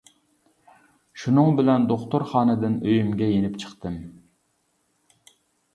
شۇنىڭ بىلەن دوختۇرخانىدىن ئۆيۈمگە يېنىپ چىقتىم.